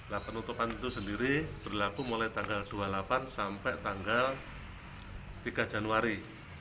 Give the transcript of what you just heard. nah penutupan itu sendiri berlaku mulai tanggal dua puluh delapan sampai tanggal tiga januari